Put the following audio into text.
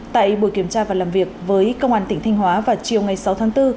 tại buổi kiểm tra và làm việc với công an tỉnh thanh hóa vào chiều ngày sáu tháng bốn